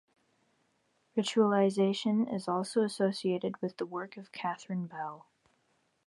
Ritualization is also associated with the work of Catherine Bell.